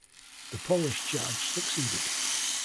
The Polish charge succeeded.